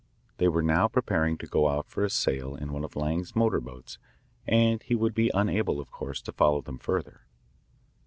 They were now preparing to go out for a sail in one of Lang's motor boats and he would be unable, of course, to follow them further.